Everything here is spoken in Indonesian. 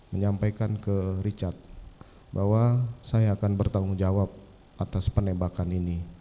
menyampaikan ke richard bahwa saya akan bertanggung jawab atas penembakan ini